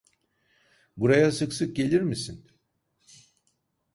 Buraya sık sık gelir misin?